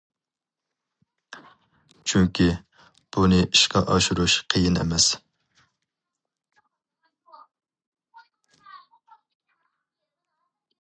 چۈنكى، بۇنى ئىشقا ئاشۇرۇش قىيىن ئەمەس.